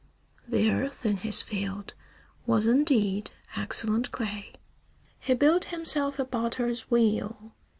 The earth in his field was, indeed, excellent clay. He built himself a potter's wheel.